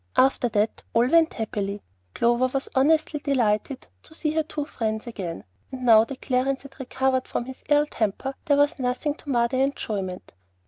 After that all went happily. Clover was honestly delighted to see her two friends again. And now that Clarence had recovered from his ill temper, there was nothing to mar their enjoyment.